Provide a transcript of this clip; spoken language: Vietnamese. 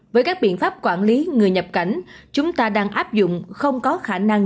với các biện pháp quản lý người nhập cảnh chúng ta đang áp dụng không có khả năng